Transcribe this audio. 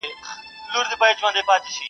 o قاسم یار چي په خندا خېژمه دار ته ,